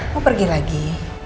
mau pergi lagi